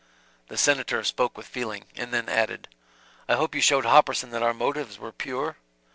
The Senator spoke with feeling, and then added, "I hope you showed Hopperson that our motives were pure?"